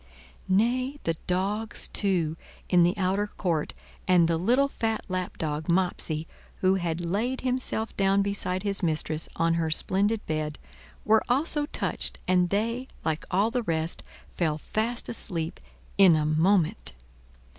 Nay, the dogs, too, in the outer court, and the little fat lapdog, Mopsey, who had laid himself down beside his mistress on her splendid bed, were also touched, and they, like all the rest, fell fast asleep in a moment.